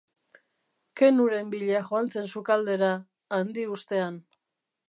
Quenuren bila joan zen sukaldera, handi ustean.